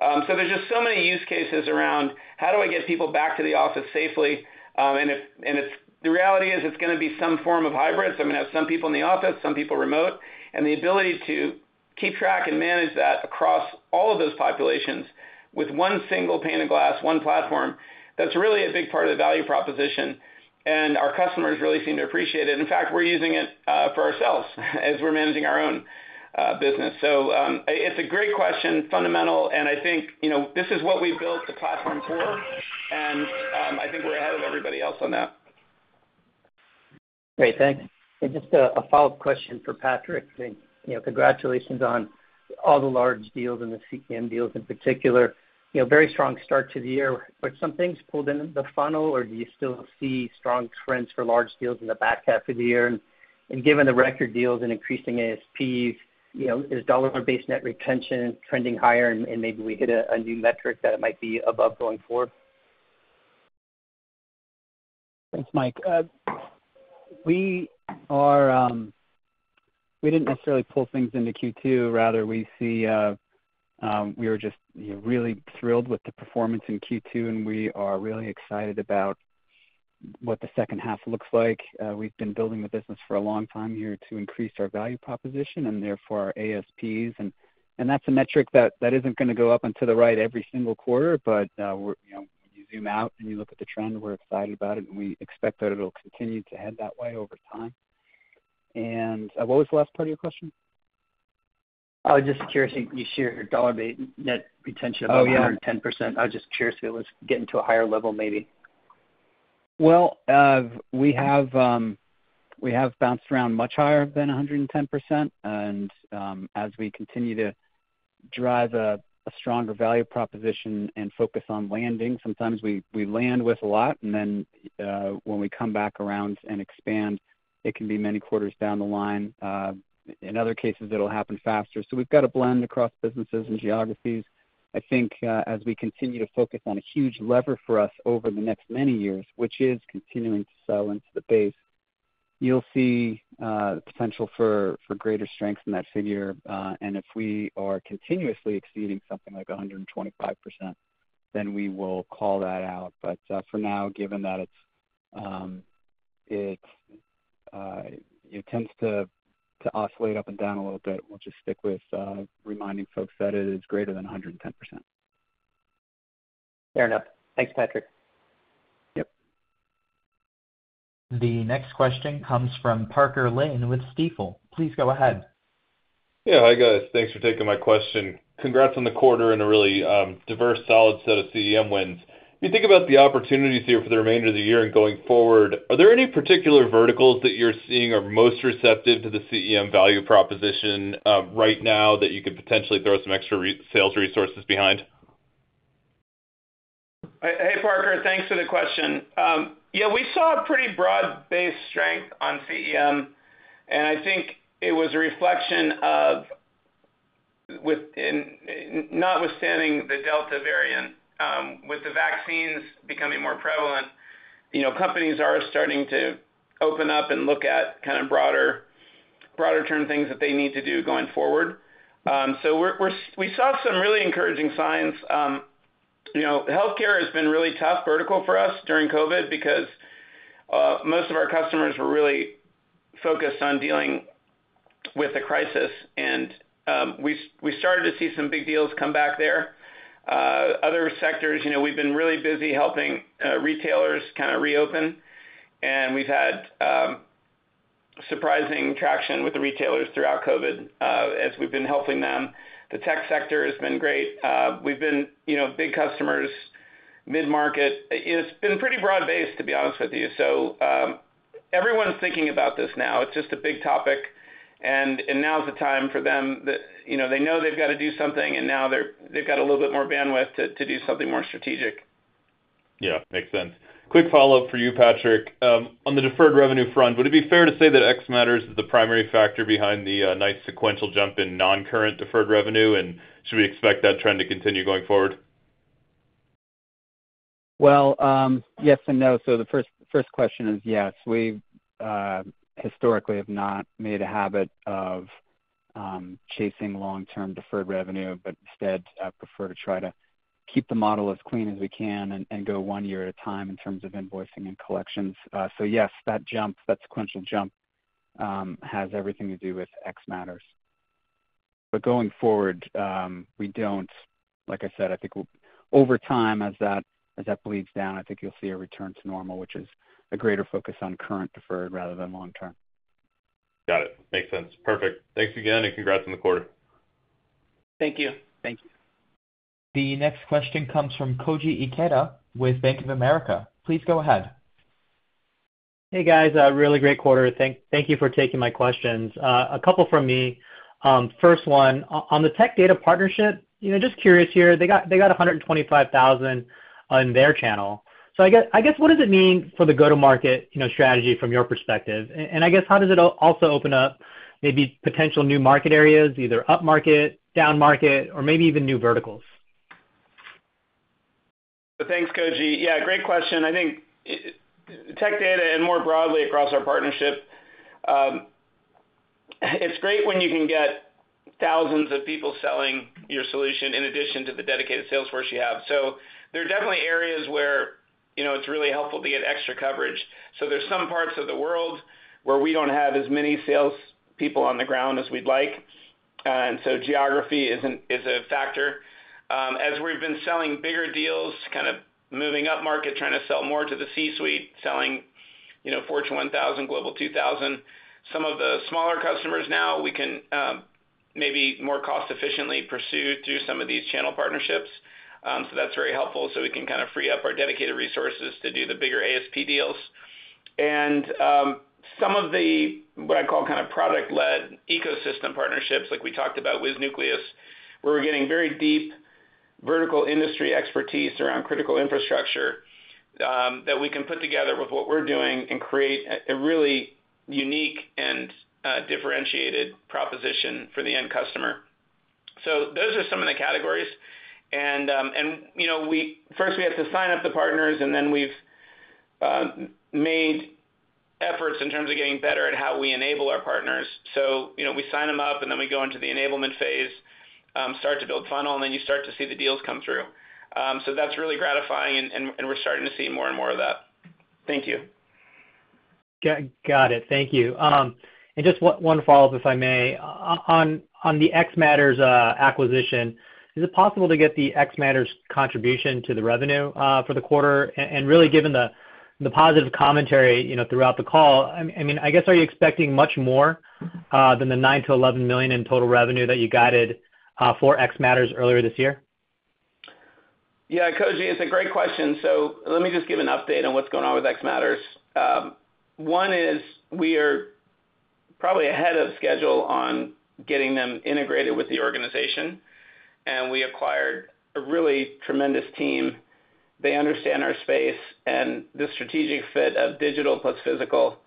There's just so many use cases around how do I get people back to the office safely? The reality is it's going to be some form of hybrid. I'm going to have some people in the office, some people remote. The ability to keep track and manage that across all of those populations with one single pane of glass, one platform, that's really a big part of the value proposition, and our customers really seem to appreciate it. In fact, we're using it for ourselves as we're managing our own business. It's a great question, fundamental, and I think this is what we built the platform for, and I think we're ahead of everybody else on that. Great. Thanks. Just a follow-up question for Patrick. Congratulations on all the large deals and the CEM deals in particular. Very strong start to the year, some things pulled into the funnel or do you still see strong trends for large deals in the back half of the year? Given the record deals and increasing ASPs, is dollar-base net retention trending higher and maybe we hit a new metric that it might be above going forward? Thanks, Mike. We didn't necessarily pull things into Q2. Rather, we were just really thrilled with the performance in Q2, and we are really excited about what the second half looks like. We've been building the business for a long time here to increase our value proposition and therefore our ASPs. That's a metric that isn't going to go up and to the right every single quarter. When you zoom out and you look at the trend, we're excited about it, and we expect that it'll continue to head that way over time. What was the last part of your question? I was just curious if you share your dollar net retention- Oh, yeah. of 110%. I was just curious if it was getting to a higher level, maybe. Well, we have bounced around much higher than 110%. As we continue to drive a stronger value proposition and focus on landing, sometimes we land with a lot, and then when we come back around and expand, it can be many quarters down the line. In other cases, it'll happen faster. We've got a blend across businesses and geographies. I think as we continue to focus on a huge lever for us over the next many years, which is continuing to sell into the base, you'll see potential for greater strength in that figure. If we are continuously exceeding something like 125%, then we will call that out. For now, given that it tends to oscillate up and down a little bit, we'll just stick with reminding folks that it is greater than 110%. Fair enough. Thanks, Patrick. Yep. The next question comes from Parker Lane with Stifel. Please go ahead. Yeah. Hi, guys. Thanks for taking my question. Congrats on the quarter. A really diverse, solid set of CEM wins. When you think about the opportunities here for the remainder of the year and going forward, are there any particular verticals that you're seeing are most receptive to the CEM value proposition right now that you could potentially throw some extra sales resources behind? Hey, Parker. Thanks for the question. Yeah, we saw a pretty broad-based strength on CEM, and I think it was a reflection of notwithstanding the Delta variant, with the vaccines becoming more prevalent, companies are starting to open up and look at kind of broader term things that they need to do going forward. We saw some really encouraging signs. Healthcare has been a really tough vertical for us during COVID because most of our customers were really focused on dealing with the crisis. We started to see some big deals come back there. Other sectors, we've been really busy helping retailers kind of reopen. We've had surprising traction with the retailers throughout COVID as we've been helping them. The tech sector has been great. Big customers, mid-market. It's been pretty broad-based, to be honest with you. Everyone's thinking about this now. It's just a big topic, and now is the time for them. They know they've got to do something, and now they've got a little bit more bandwidth to do something more strategic. Yeah, makes sense. Quick follow-up for you, Patrick. On the deferred revenue front, would it be fair to say that xMatters is the primary factor behind the nice sequential jump in non-current deferred revenue? Should we expect that trend to continue going forward? Well, yes and no. The first question is yes. We historically have not made a habit of chasing long-term deferred revenue, but instead prefer to try to keep the model as clean as we can and go one year at a time in terms of invoicing and collections. Yes, that sequential jump has everything to do with xMatters. Going forward, we don't. Like I said, I think over time as that bleeds down, I think you'll see a return to normal, which is a greater focus on current deferred rather than long term. Got it. Makes sense. Perfect. Thanks again. Congrats on the quarter. Thank you. Thank you. The next question comes from Koji Ikeda with Bank of America. Please go ahead. Hey, guys, a really great quarter. Thank you for taking my questions. A couple from me. First one, on the Tech Data partnership, just curious here, they got 125,000 on their channel. I guess what does it mean for the go-to-market strategy from your perspective? I guess how does it also open up maybe potential new market areas, either upmarket, downmarket, or maybe even new verticals? Thanks, Koji. Yeah, great question. I think Tech Data and more broadly across our partnership, it's great when you can get thousands of people selling your solution in addition to the dedicated sales force you have. There are definitely areas where it's really helpful to get extra coverage. There's some parts of the world where we don't have as many salespeople on the ground as we'd like, and so geography is a factor. As we've been selling bigger deals, kind of moving upmarket, trying to sell more to the C-suite, selling Fortune 1000, Forbes Global 2000. Some of the smaller customers now we can maybe more cost efficiently pursue through some of these channel partnerships. That's very helpful, so we can kind of free up our dedicated resources to do the bigger ASP deals. Some of the, what I call kind of product-led ecosystem partnerships like we talked about with Nucleus, where we're getting very deep vertical industry expertise around critical infrastructure that we can put together with what we're doing and create a really unique and differentiated proposition for the end customer. Those are some of the categories. First we have to sign up the partners, and then we've made efforts in terms of getting better at how we enable our partners. We sign them up and then we go into the enablement phase, start to build funnel, and then you start to see the deals come through. That's really gratifying, and we're starting to see more and more of that. Thank you. Got it. Thank you. Just one follow-up, if I may. On the xMatters acquisition, is it possible to get the xMatters contribution to the revenue for the quarter? Really, given the positive commentary throughout the call, I guess are you expecting much more than the $9 million-$11 million in total revenue that you guided for xMatters earlier this year? Yeah, Koji, it's a great question. Let me just give an update on what's going on with xMatters. One is we are probably ahead of schedule on getting them integrated with the organization, and we acquired a really tremendous team. They understand our space, and the strategic fit of digital plus physical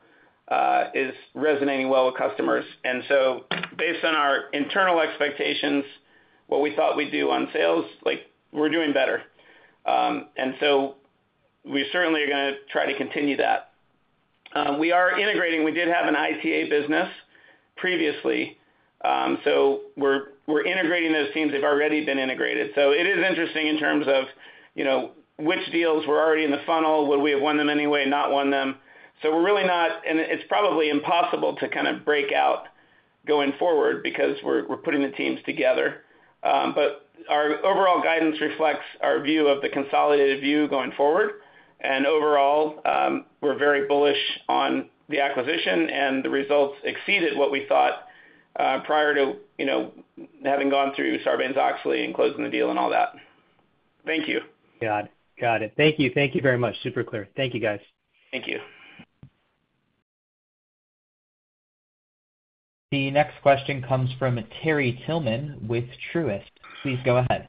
is resonating well with customers. Based on our internal expectations, what we thought we'd do on sales, we're doing better. We certainly are going to try to continue that. We are integrating. We did have an ITA business previously. We're integrating those teams. They've already been integrated. It is interesting in terms of which deals were already in the funnel, would we have won them anyway and not won them. We're really not, and it's probably impossible to kind of break out Going forward because we're putting the teams together. Our overall guidance reflects our view of the consolidated view going forward. Overall, we're very bullish on the acquisition, and the results exceeded what we thought prior to having gone through Sarbanes-Oxley and closing the deal and all that. Thank you. Got it. Thank you. Thank you very much. Super clear. Thank you, guys. Thank you. The next question comes from Terry Tillman with Truist. Please go ahead.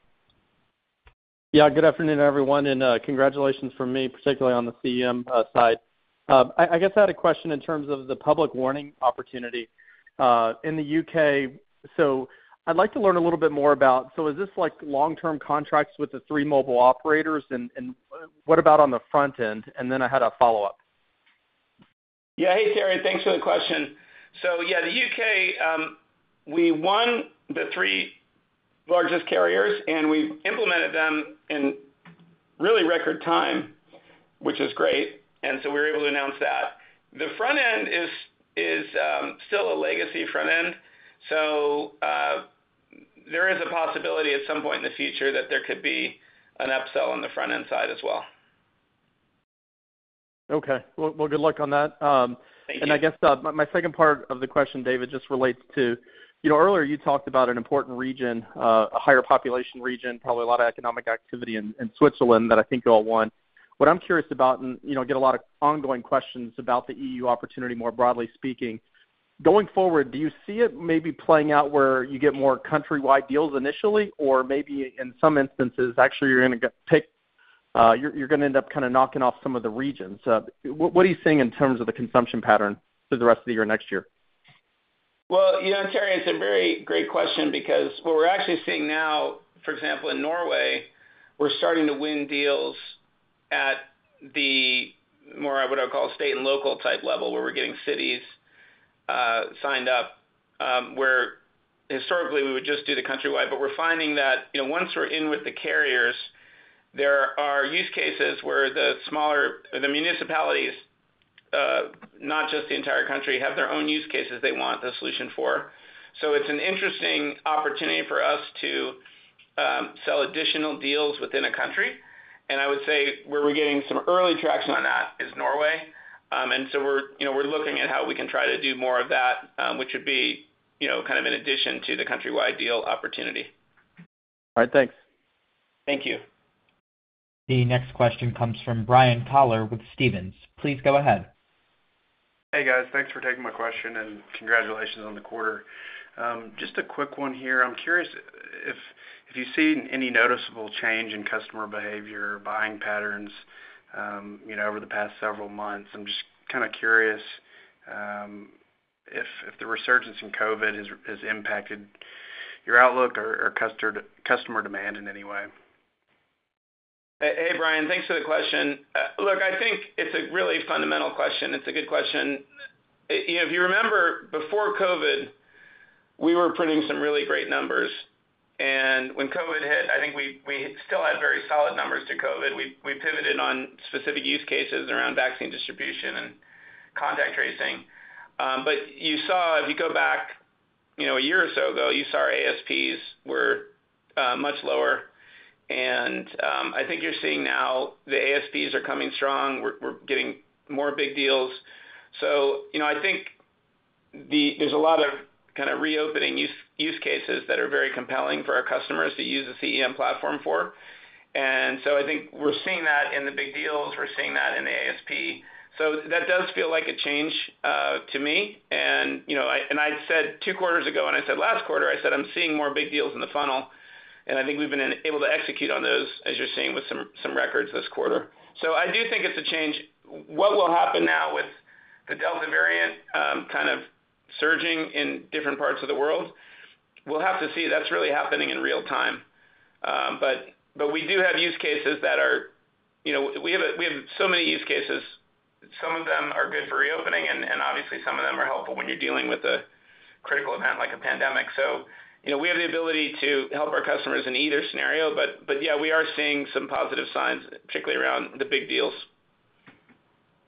Good afternoon, everyone, and congratulations from me, particularly on the CEM side. I guess I had a question in terms of the public warning opportunity in the U.K. I'd like to learn a little bit more about, is this like long-term contracts with the three mobile operators? What about on the front end? I had a follow-up. Hey, Terry. Thanks for the question. The U.K., we won the three largest carriers, we've implemented them in really record time, which is great. We were able to announce that. The front end is still a legacy front end, there is a possibility at some point in the future that there could be an upsell on the front-end side as well. Okay. Well, good luck on that. Thank you. I guess my second part of the question, David, just relates to, earlier you talked about an important region, a higher population region, probably a lot of economic activity in Switzerland that I think you all won. What I'm curious about, and get a lot of ongoing questions about the E.U. opportunity, more broadly speaking, going forward, do you see it maybe playing out where you get more countrywide deals initially? Or maybe in some instances, actually, you're going to end up kind of knocking off some of the regions. What are you seeing in terms of the consumption pattern through the rest of the year, next year? Well, Terry, it's a very great question because what we're actually seeing now, for example, in Norway, we're starting to win deals at the more, what I would call, state and local type level, where we're getting cities signed up, where historically we would just do the countrywide. We're finding that once we're in with the carriers, there are use cases where the municipalities, not just the entire country, have their own use cases they want the solution for. It's an interesting opportunity for us to sell additional deals within a country. I would say where we're getting some early traction on that is Norway. We're looking at how we can try to do more of that, which would be kind of an addition to the countrywide deal opportunity. All right. Thanks. Thank you. The next question comes from Brian Colley with Stephens. Please go ahead. Hey, guys. Thanks for taking my question, and congratulations on the quarter. Just a quick one here. I'm curious if you've seen any noticeable change in customer behavior or buying patterns over the past several months. I'm just kind of curious if the resurgence in COVID has impacted your outlook or customer demand in any way. Brian. Thanks for the question. I think it's a really fundamental question. It's a good question. If you remember, before COVID, we were printing some really great numbers. When COVID hit, I think we still had very solid numbers to COVID. We pivoted on specific use cases around vaccine distribution and contact tracing. You saw if you go back one year or so ago, you saw our ASPs were much lower. I think you're seeing now the ASPs are coming strong. We're getting more big deals. I think there's a lot of kind of reopening use cases that are very compelling for our customers to use the CEM platform for. I think we're seeing that in the big deals. We're seeing that in the ASP. That does feel like a change to me. I said two quarters ago, and I said last quarter, I said I'm seeing more big deals in the funnel, and I think we've been able to execute on those, as you're seeing with some records this quarter. I do think it's a change. What will happen now with the Delta variant kind of surging in different parts of the world? We'll have to see. That's really happening in real-time. We do have use cases. We have so many use cases. Some of them are good for reopening, and obviously, some of them are helpful when you're dealing with a critical event like a pandemic. We have the ability to help our customers in either scenario. Yeah, we are seeing some positive signs, particularly around the big deals.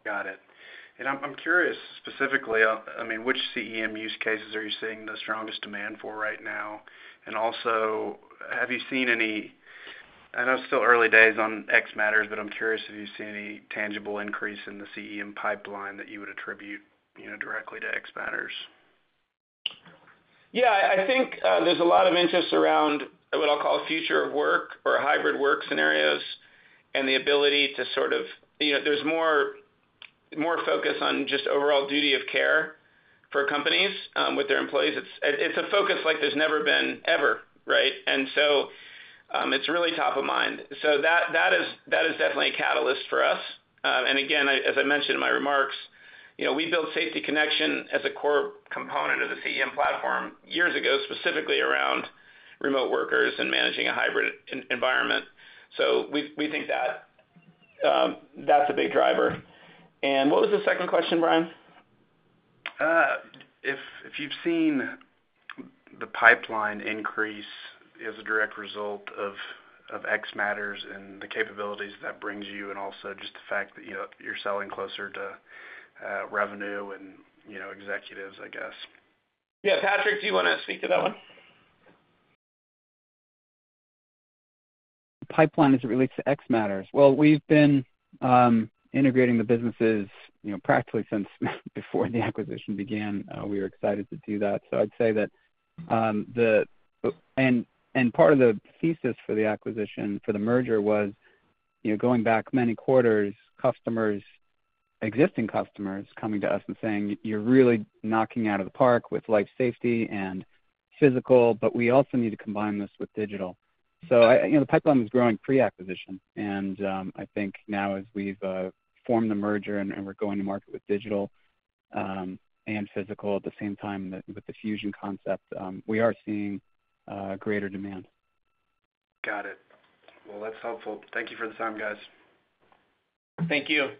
Got it. I'm curious specifically, which CEM use cases are you seeing the strongest demand for right now? Also, I know it's still early days on xMatters, but I'm curious if you've seen any tangible increase in the CEM pipeline that you would attribute directly to xMatters. Yeah, I think there's a lot of interest around what I'll call future of work or hybrid work scenarios and there's more focus on just overall duty of care for companies with their employees. It's a focus like there's never been ever, right? It's really top of mind. That is definitely a catalyst for us. Again, as I mentioned in my remarks, we built Safety Connection as a core component of the CEM platform years ago, specifically around remote workers and managing a hybrid environment. We think that's a big driver. What was the second question, Brian? If you've seen the pipeline increase as a direct result of xMatters and the capabilities that brings you and also just the fact that you're selling closer to revenue and executives, I guess. Yeah. Patrick, do you want to speak to that one? Pipeline as it relates to xMatters. Well, we've been integrating the businesses practically since before the acquisition began. We were excited to do that. I'd say that part of the thesis for the acquisition, for the merger was going back many quarters, existing customers coming to us and saying, "You're really knocking it out of the park with life safety and physical, but we also need to combine this with digital." The pipeline was growing pre-acquisition, and I think now as we've formed the merger and we're going to market with digital and physical at the same time with the fusion concept, we are seeing greater demand. Got it. Well, that's helpful. Thank you for the time, guys. Thank you.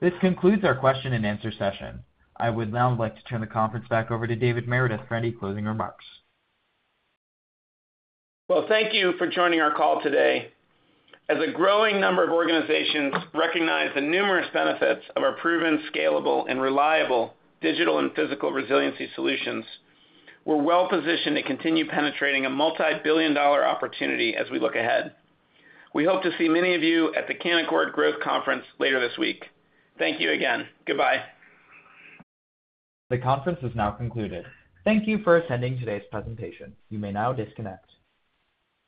This concludes our question and answer session. I would now like to turn the conference back over to David Meredith for any closing remarks. Well, thank you for joining our call today. As a growing number of organizations recognize the numerous benefits of our proven, scalable, and reliable digital and physical resiliency solutions, we're well-positioned to continue penetrating a multi-billion-dollar opportunity as we look ahead. We hope to see many of you at the Canaccord Growth Conference later this week. Thank you again. Goodbye. The conference is now concluded. Thank you for attending today's presentation. You may now disconnect.